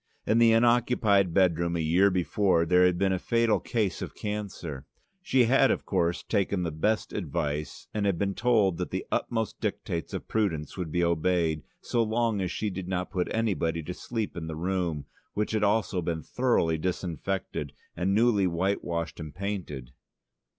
In the unoccupied bedroom a year before there had been a fatal case of cancer. She had, of course, taken the best advice and had been told that the utmost dictates of prudence would be obeyed so long as she did not put anybody to sleep in the room, which had also been thoroughly disinfected and newly white washed and painted.